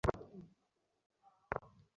ভাবলেই গায়ে কাটা দিয়ে ওঠে।